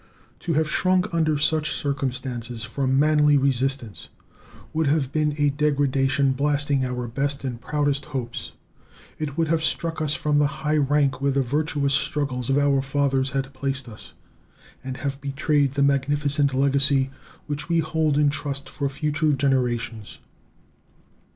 To have shrunk under such circumstances from manly resistance would have been a degradation blasting our best and proudest hopes; it would have struck us from the high rank where the virtuous struggles of our fathers had placed us, and have betrayed the magnificent legacy which we hold in trust for future generations.